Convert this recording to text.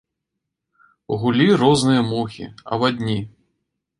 Гулі розныя мухі, авадні.